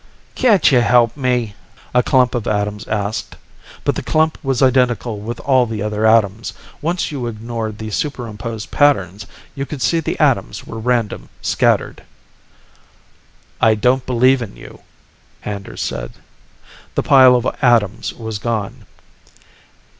"Can't you help me?" a clump of atoms asked. But the clump was identical with all the other atoms. Once you ignored the superimposed patterns, you could see the atoms were random, scattered. "I don't believe in you," Anders said. The pile of atoms was gone.